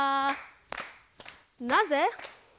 なぜ？